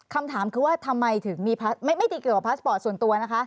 คำถามคือว่าทำไมถึงมีไม่ดีเกี่ยวกับพาสปอร์ตส่วนตัวนะคะ